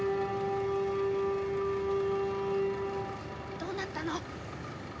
どうなったの？